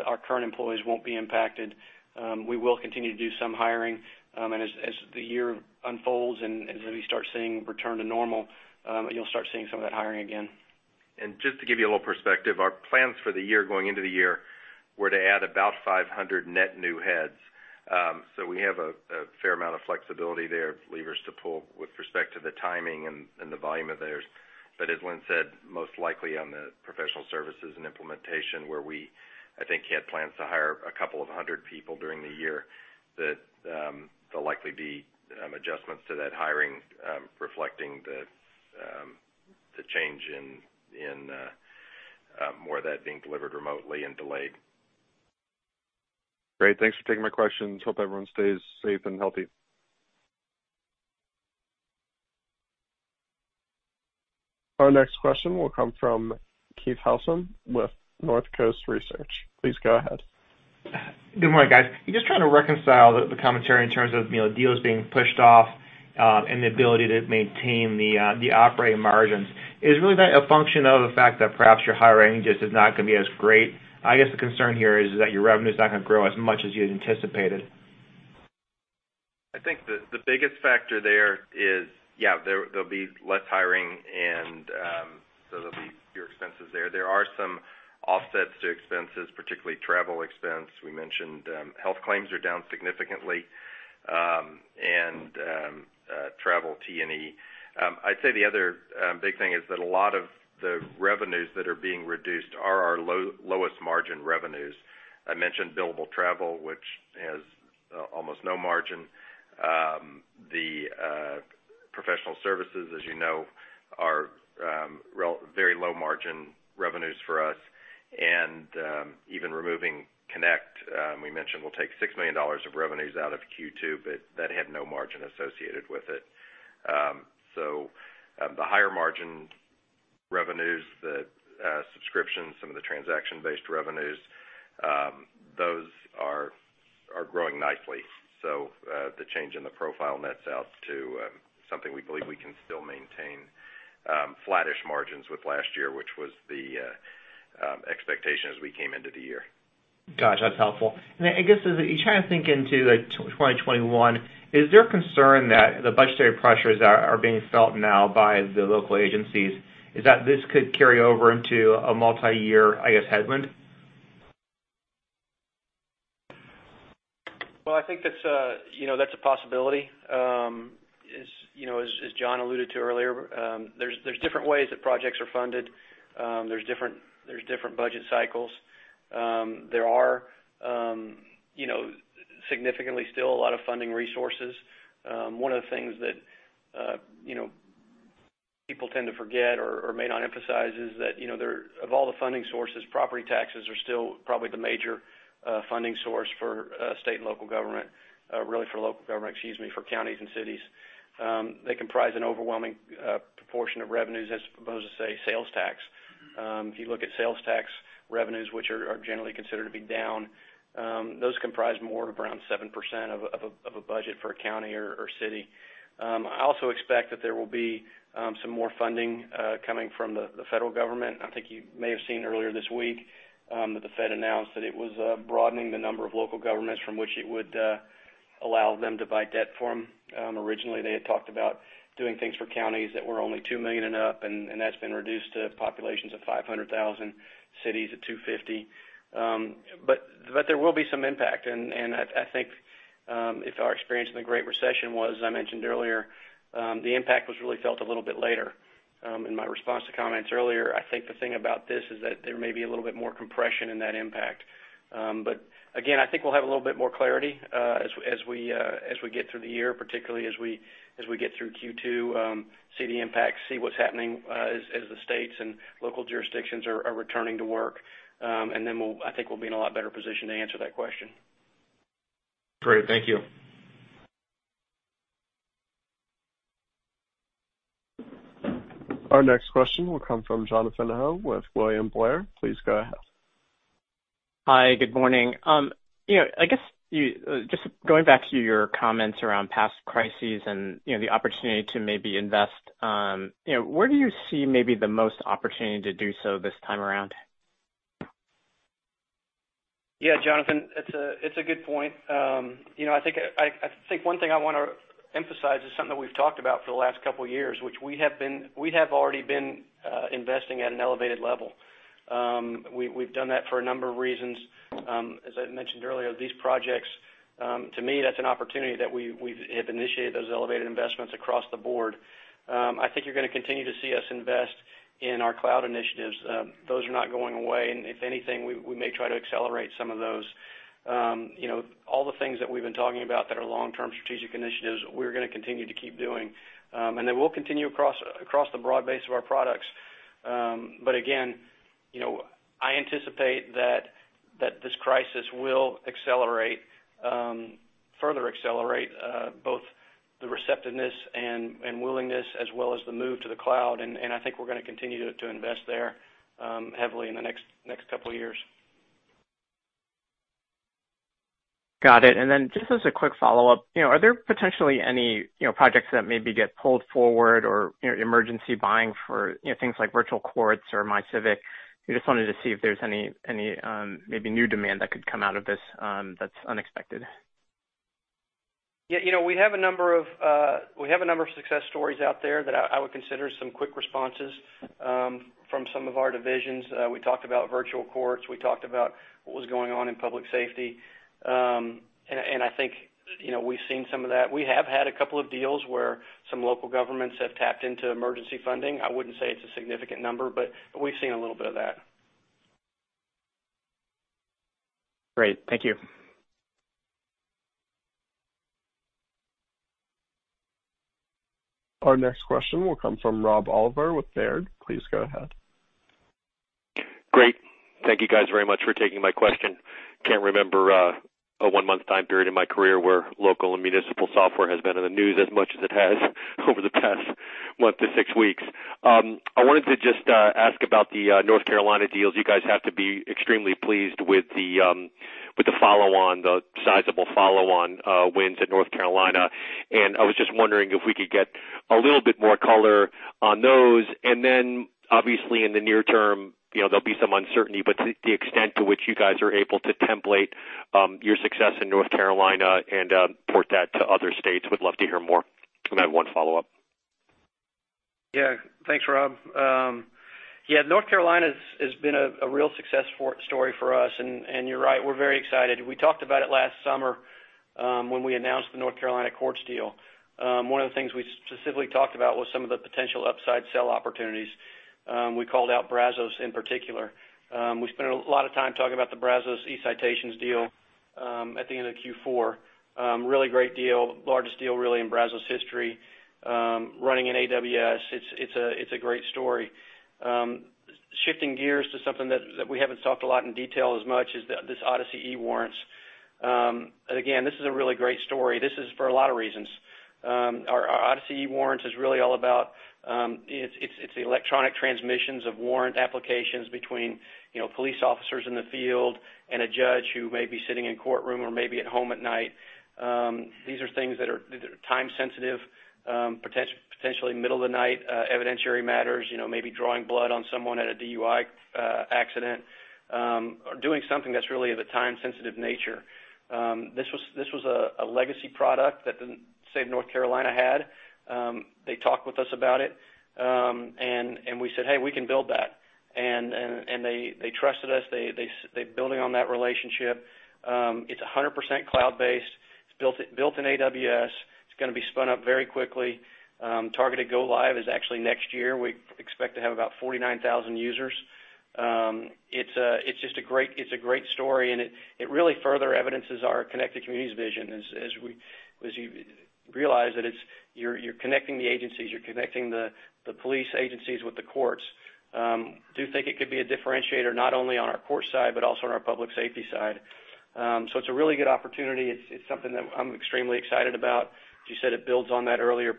our current employees won't be impacted. We will continue to do some hiring, and as the year unfolds and as we start seeing return to normal, you'll start seeing some of that hiring again. Just to give you a little perspective, our plans for the year going into the year were to add about 500 net new heads. We have a fair amount of flexibility there, levers to pull with respect to the timing and the volume of hires. As Lynn said, most likely on the professional services and implementation where we, I think he had plans to hire a couple of hundred people during the year, there'll likely be adjustments to that hiring, reflecting the change in more of that being delivered remotely and delayed. Great. Thanks for taking my questions. Hope everyone stays safe and healthy. Our next question will come from Keith Housum with Northcoast Research. Please go ahead. Good morning, guys. Just trying to reconcile the commentary in terms of deals being pushed off and the ability to maintain the operating margins. Is really that a function of the fact that perhaps your hiring just is not going to be as great? I guess the concern here is that your revenue is not going to grow as much as you had anticipated. I think the biggest factor there is, yeah, there'll be less hiring, and so there'll be fewer expenses there. There are some offsets to expenses, particularly travel expense. We mentioned health claims are down significantly, and travel T&E. I'd say the other big thing is that a lot of the revenues that are being reduced are our lowest margin revenues. I mentioned billable travel, which has almost no margin. The professional services, as you know, are very low margin revenues for us. Even removing Connect, we mentioned we'll take $6 million of revenues out of Q2, but that had no margin associated with it. The higher margin revenues, the subscriptions, some of the transaction-based revenues, those are growing nicely. The change in the profile nets out to something we believe we can still maintain flattish margins with last year, which was the expectation as we came into the year. Gotcha. That's helpful. I guess as you try to think into 2021, is there a concern that the budgetary pressures that are being felt now by the local agencies is that this could carry over into a multi-year, I guess, headwind? Well, I think that's a possibility. As John alluded to earlier, there's different ways that projects are funded. There's different budget cycles. There are significantly still a lot of funding resources. One of the things that people tend to forget or may not emphasize is that of all the funding sources, property taxes are still probably the major funding source for state and local government, really for local government, excuse me, for counties and cities. They comprise an overwhelming proportion of revenues as opposed to, say, sales tax. If you look at sales tax revenues, which are generally considered to be down, those comprise more of around 7% of a budget for a county or city. I also expect that there will be some more funding coming from the Federal Government. I think you may have seen earlier this week that the Fed announced that it was broadening the number of local governments from which it would allow them to buy debt from. Originally, they had talked about doing things for counties that were only 2 million and up, and that's been reduced to populations of 500,000, cities of 250. There will be some impact, and I think if our experience in the Great Recession was, as I mentioned earlier, the impact was really felt a little bit later. In my response to comments earlier, I think the thing about this is that there may be a little bit more compression in that impact. Again, I think we'll have a little bit more clarity as we get through the year, particularly as we get through Q2, see the impact, see what's happening as the states and local jurisdictions are returning to work. Then I think we'll be in a lot better position to answer that question. Great. Thank you. Our next question will come from Jonathan Ho with William Blair. Please go ahead. Hi. Good morning. I guess, just going back to your comments around past crises and the opportunity to maybe invest, where do you see maybe the most opportunity to do so this time around? Yeah, Jonathan, it's a good point. I think one thing I want to emphasize is something that we've talked about for the last couple of years, which we have already been investing at an elevated level. We've done that for a number of reasons. As I mentioned earlier, these projects, to me, that's an opportunity that we have initiated those elevated investments across the board. I think you're going to continue to see us invest in our cloud initiatives. Those are not going away, and if anything, we may try to accelerate some of those. All the things that we've been talking about that are long-term strategic initiatives, we're going to continue to keep doing. We'll continue across the broad base of our products. Again, I anticipate that this crisis will further accelerate both the receptiveness and willingness, as well as the move to the cloud, and I think we're going to continue to invest there heavily in the next couple of years. Got it. Just as a quick follow-up, are there potentially any projects that maybe get pulled forward or emergency buying for things like Virtual Courts or MyCivic? I just wanted to see if there's any maybe new demand that could come out of this that's unexpected. Yeah, we have a number of success stories out there that I would consider some quick responses from some of our divisions. We talked about Virtual Courts. We talked about what was going on in public safety. I think we've seen some of that. We have had a couple of deals where some local governments have tapped into emergency funding. I wouldn't say it's a significant number, but we've seen a little bit of that. Great. Thank you. Our next question will come from Rob Oliver with Baird. Please go ahead. Great. Thank you guys very much for taking my question. Can't remember a one-month time period in my career where local and municipal software has been in the news as much as it has over the past month to six weeks. I wanted to just ask about the North Carolina deals. You guys have to be extremely pleased with the sizable follow-on wins in North Carolina. I was just wondering if we could get a little bit more color on those. Then, obviously, in the near term, there'll be some uncertainty, but the extent to which you guys are able to template your success in North Carolina and port that to other states, would love to hear more. I have one follow-up. Thanks, Rob. North Carolina's has been a real success story for us, and you're right. We're very excited. We talked about it last summer when we announced the North Carolina courts deal. One of the things we specifically talked about was some of the potential upside sell opportunities. We called out Brazos in particular. We spent a lot of time talking about the Brazos eCitations deal at the end of Q4. Really great deal. Largest deal, really, in Brazos history. Running in AWS. It's a great story. Shifting gears to something that we haven't talked a lot in detail as much is this Odyssey eWarrants. Again, this is a really great story. This is for a lot of reasons. Our Odyssey eWarrants is really all about, it's the electronic transmissions of warrant applications between police officers in the field and a judge who may be sitting in courtroom or may be at home at night. These are things that are time sensitive, potentially middle-of-the-night evidentiary matters, maybe drawing blood on someone at a DUI accident, or doing something that's really of a time-sensitive nature. This was a legacy product that the State of North Carolina had. They talked with us about it, and we said, "Hey, we can build that." They trusted us. They're building on that relationship. It's 100% cloud-based. It's built in AWS. It's going to be spun up very quickly. Targeted go live is actually next year. We expect to have about 49,000 users. It's a great story, and it really further evidences our connected communities vision as you realize that you're connecting the agencies, you're connecting the police agencies with the courts. I do think it could be a differentiator, not only on our courts side, but also on our public safety side. It's a really good opportunity. It's something that I'm extremely excited about. As you said, it builds on that earlier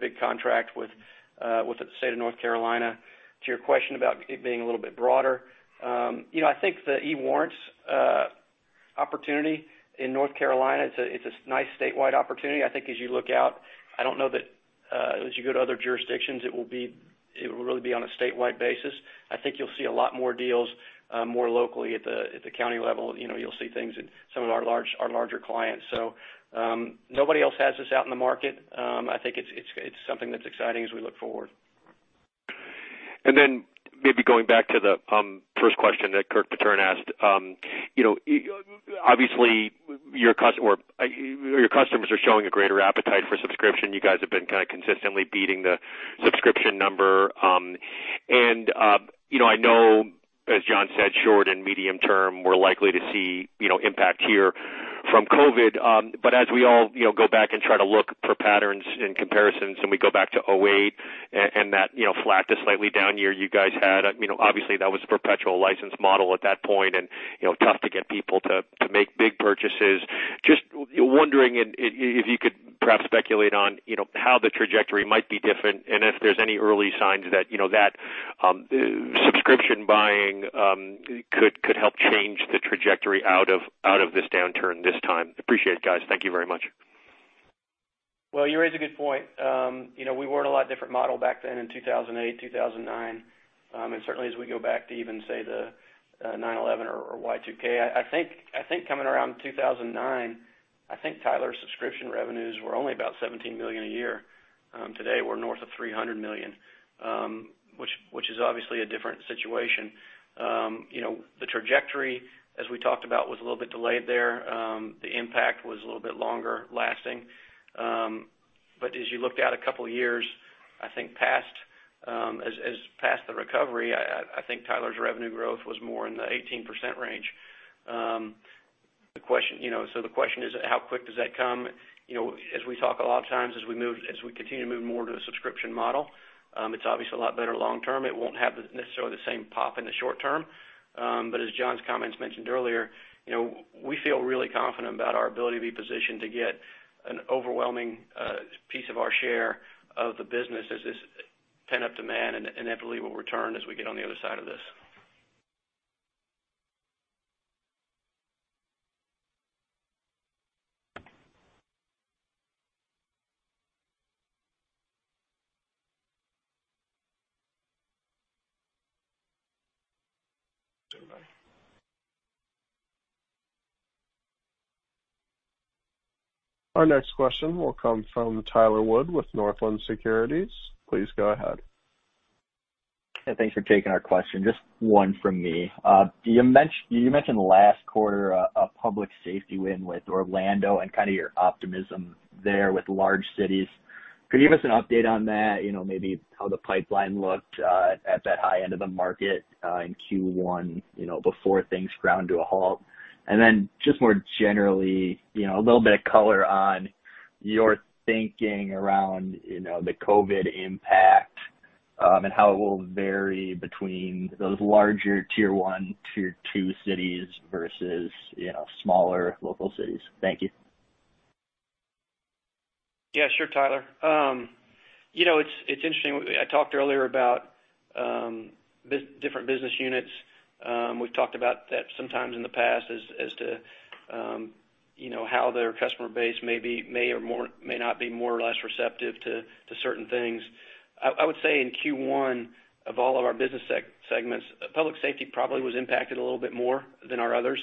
big contract with the state of North Carolina. To your question about it being a little bit broader. I think the eWarrants opportunity in North Carolina, it's a nice statewide opportunity. I think as you look out, I don't know that as you go to other jurisdictions, it will really be on a statewide basis. I think you'll see a lot more deals, more locally at the county level. You'll see things in some of our larger clients. Nobody else has this out in the market. I think it's something that's exciting as we look forward. Maybe going back to the first question that Kirk Materne asked. Obviously, your customers are showing a greater appetite for subscription. You guys have been kind of consistently beating the subscription number. I know as John said, short and medium term, we're likely to see impact here from COVID. As we all go back and try to look for patterns and comparisons, and we go back to 2008 and that flat to slightly down year you guys had, obviously that was a perpetual license model at that point and tough to get people to make big purchases. Just wondering if you could perhaps speculate on how the trajectory might be different and if there's any early signs that subscription buying could help change the trajectory out of this downturn this time. Appreciate it, guys. Thank you very much. Well, you raise a good point. We were in a lot different model back then in 2008, 2009. Certainly as we go back to even, say, the 9/11 or Y2K, I think coming around 2009, I think Tyler subscription revenues were only about $17 million a year. Today we're north of $300 million, which is obviously a different situation. The trajectory, as we talked about, was a little bit delayed there. The impact was a little bit longer lasting. As you looked out a couple of years, I think as past the recovery, I think Tyler's revenue growth was more in the 18% range. The question is how quick does that come? As we talk a lot of times as we continue to move more to a subscription model, it's obviously a lot better long term. It won't have necessarily the same pop in the short term. As John's comments mentioned earlier, we feel really confident about our ability to be positioned to get an overwhelming piece of our share of the business as this pent-up demand inevitably will return as we get on the other side of this. Our next question will come from Tyler Wood with Northland Securities. Please go ahead. Thanks for taking our question. Just one from me. You mentioned last quarter a public safety win with Orlando and kind of your optimism there with large cities. Could you give us an update on that, maybe how the pipeline looked at that high end of the market in Q1 before things ground to a halt? Then just more generally, a little bit of color on your thinking around the COVID impact, and how it will vary between those larger tier 1, tier 2 cities versus smaller local cities. Thank you. Yeah, sure, Tyler. It's interesting. I talked earlier about different business units. We've talked about that sometimes in the past as to how their customer base may or may not be more or less receptive to certain things. I would say in Q1 of all of our business segments, public safety probably was impacted a little bit more than our others.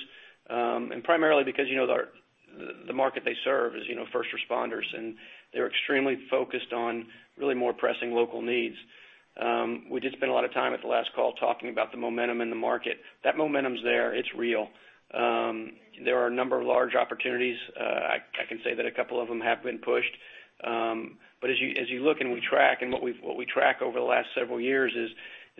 Primarily because the market they serve is first responders, and they're extremely focused on really more pressing local needs. We did spend a lot of time at the last call talking about the momentum in the market. That momentum's there. It's real. There are a number of large opportunities. I can say that a couple of them have been pushed. As you look and we track and what we track over the last several years is,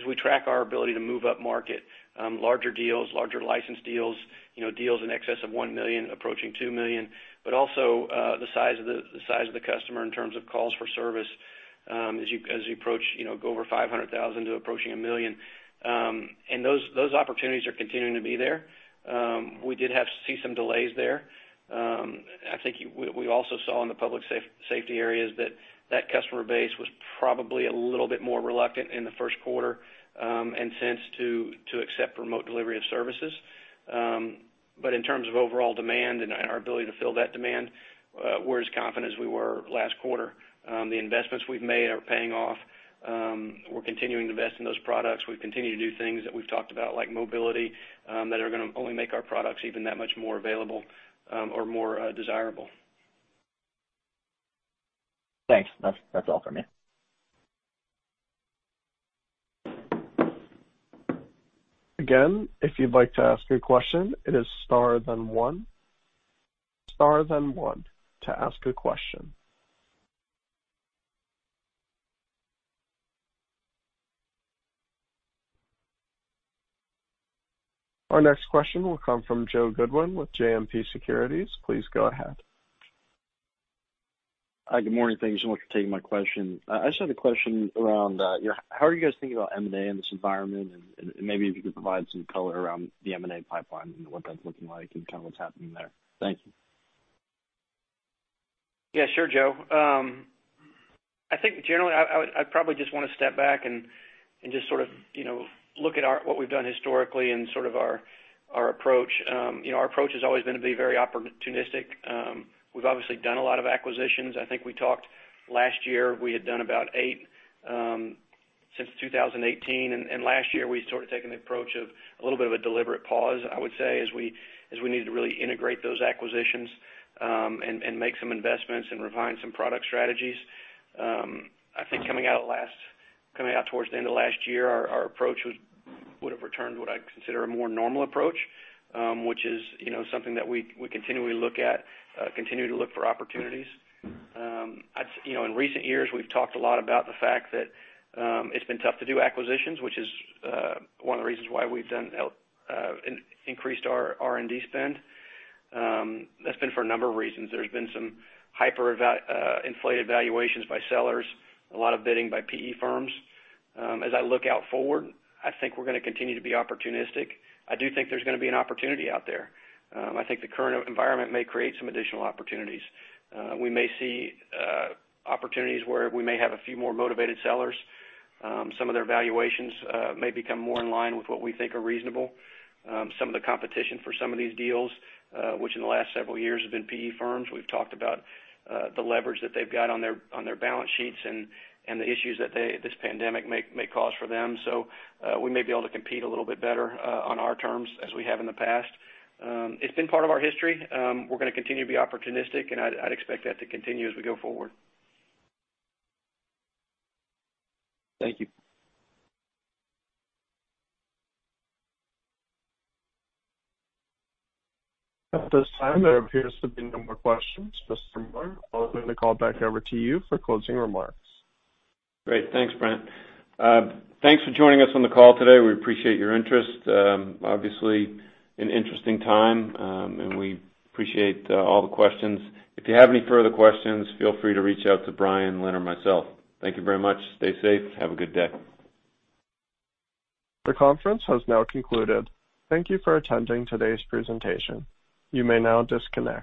we track our ability to move upmarket. Larger deals, larger license deals in excess of $1 million, approaching $2 million, also, the size of the customer in terms of calls for service as you go over 500,000 to approaching 1 million. Those opportunities are continuing to be there. We did have to see some delays there. I think we also saw in the public safety areas that that customer base was probably a little bit more reluctant in the first quarter and since to accept remote delivery of services. In terms of overall demand and our ability to fill that demand, we're as confident as we were last quarter. The investments we've made are paying off. We're continuing to invest in those products. We continue to do things that we've talked about, like mobility, that are going to only make our products even that much more available, or more desirable. Thanks. That's all from me. Again, if you'd like to ask a question, it is star then one. Star then one to ask a question. Our next question will come from Joe Goodwin with JMP Securities. Please go ahead. Hi, good morning. Thanks so much for taking my question. I just had a question around how are you guys thinking about M&A in this environment? Maybe if you could provide some color around the M&A pipeline and what that's looking like and kind of what's happening there. Thank you. Yeah, sure, Joe. I think generally, I probably just want to step back and just sort of look at what we've done historically and sort of our approach. Our approach has always been to be very opportunistic. We've obviously done a lot of acquisitions. I think we talked last year, we had done about eight since 2018. Last year we sort of taken the approach of a little bit of a deliberate pause, I would say, as we needed to really integrate those acquisitions, and make some investments and refine some product strategies. I think coming out towards the end of last year, our approach would've returned what I'd consider a more normal approach, which is something that we continually look at, continue to look for opportunities. In recent years, we've talked a lot about the fact that it's been tough to do acquisitions, which is one of the reasons why we've increased our R&D spend. That's been for a number of reasons. There's been some hyper-inflated valuations by sellers, a lot of bidding by PE firms. As I look out forward, I think we're going to continue to be opportunistic. I do think there's going to be an opportunity out there. I think the current environment may create some additional opportunities. We may see opportunities where we may have a few more motivated sellers. Some of their valuations may become more in line with what we think are reasonable. Some of the competition for some of these deals, which in the last several years have been PE firms. We've talked about the leverage that they've got on their balance sheets and the issues that this pandemic may cause for them. We may be able to compete a little bit better on our terms as we have in the past. It's been part of our history. We're going to continue to be opportunistic, and I'd expect that to continue as we go forward. Thank you. At this time, there appears to be no more questions. Mr. Miller, I'll turn the call back over to you for closing remarks. Great. Thanks, Brent. Thanks for joining us on the call today. We appreciate your interest. Obviously, an interesting time, and we appreciate all the questions. If you have any further questions, feel free to reach out to Brian, Lynn, or myself. Thank you very much. Stay safe. Have a good day. The conference has now concluded. Thank you for attending today's presentation. You may now disconnect.